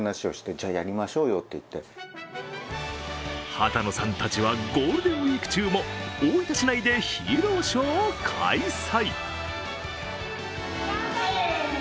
羽田野さんたちはゴールデンウイーク中も大分市内でヒーローショーを開催。